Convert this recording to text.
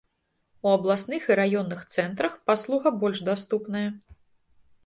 У абласных і раённых цэнтрах паслуга больш даступная.